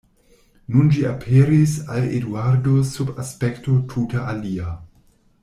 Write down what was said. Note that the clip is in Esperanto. Nun ĝi aperis al Eduardo sub aspekto tute alia.